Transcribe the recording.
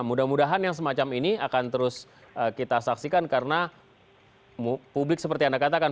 mudah mudahan yang semacam ini akan terus kita saksikan karena publik seperti anda katakan